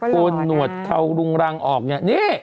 โกนหนวดเข่ารุงรังออกเนี่ยนี่